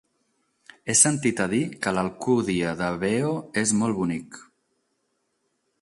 He sentit a dir que l'Alcúdia de Veo és molt bonic.